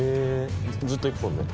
ずっと一本で？